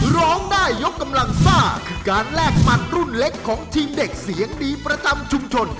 ร้องได้ยกกำลังซ่าคือการแลกหมัดรุ่นเล็กของทีมเด็กเสียงดีประจำชุมชน